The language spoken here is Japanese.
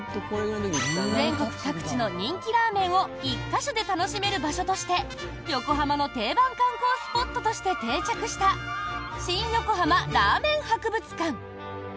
全国各地の人気ラーメンを１か所で楽しめる場所として横浜の定番観光スポットとして定着した新横浜ラーメン博物館。